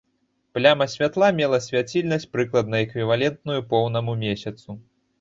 Пляма святла мела свяцільнасць, прыкладна эквівалентную поўнаму месяцу.